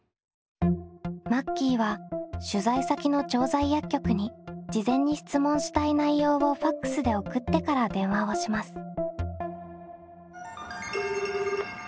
マッキーは取材先の調剤薬局に事前に質問したい内容をＦＡＸで送ってから電話をします。